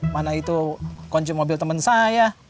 mana itu konci mobil temen saya